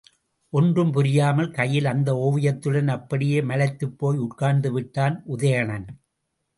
ஒன்றும் புரியாமல் கையில் அந்த ஒவியத்துடன் அப்படியே மலைத்துப்போய் உட்கார்ந்து விட்டான் உதயணன்.